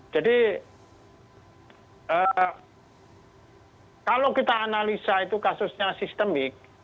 jadi kalau kita analisa itu kasusnya sistemik